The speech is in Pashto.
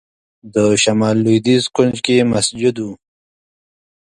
د شمال لوېدیځ کونج کې مسجد و.